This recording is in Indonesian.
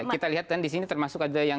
kita lihat kan disini termasuk ada yang